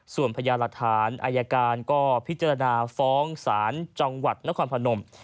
ส่วนพญาหลักฐานอายการก็พิจารณาฟ้องศาลจังหวัดนครพนม